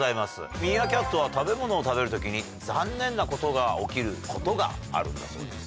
ミーアキャットは食べ物を食べる時にざんねんなことが起きることがあるんだそうです。